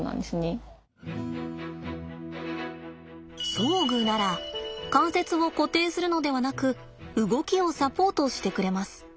装具なら関節を固定するのではなく動きをサポートしてくれます。